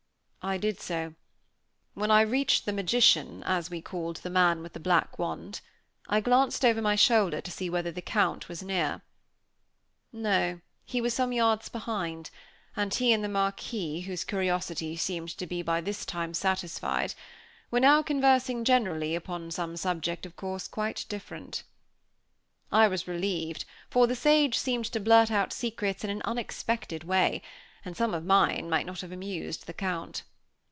I did so. When I reached the magician, as we called the man with the black wand, I glanced over my shoulder to see whether the Count was near. No, he was some yards behind; and he and the Marquis, whose curiosity seemed to be by this time satisfied, were now conversing generally upon some subject of course quite different. I was relieved, for the sage seemed to blurt out secrets in an unexpected way; and some of mine might not have amused the Count.